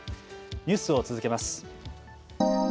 ニュースを続けます。